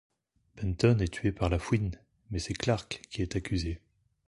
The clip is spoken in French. Benton est tué par La Fouine mais c'est Clark qui est accusé.